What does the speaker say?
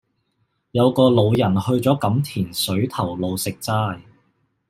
有個老人去左錦田水頭路食齋